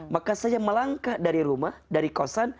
maka saja melangkah dari rumah dari kosan